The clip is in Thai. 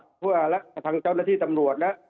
การจังหวัดทั่วทางเจ้าหน้าที่ตำรวจและ